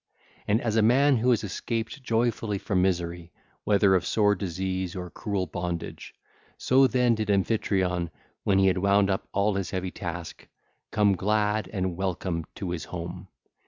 And as a man who has escaped joyfully from misery, whether of sore disease or cruel bondage, so then did Amphitryon, when he had wound up all his heavy task, come glad and welcome to his home.